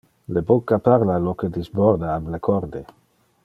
Le bucca parla lo que disborda ab le corde.